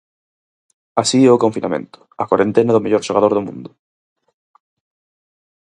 Así é o confinamento, a corentena do mellor xogador do mundo.